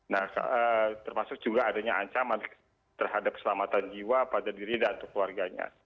nah termasuk juga adanya ancaman terhadap keselamatan jiwa pada diri dan keluarganya